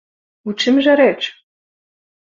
У чым жа рэч?